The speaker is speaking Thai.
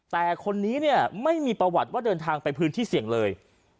แต่คนนี้เนี่ยไม่มีประวัติว่าเดินทางไปพื้นที่เสี่ยงเลย